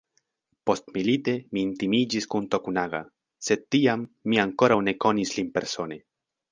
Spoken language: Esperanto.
Postmilite mi intimiĝis kun Tokunaga, sed tiam mi ankoraŭ ne konis lin persone.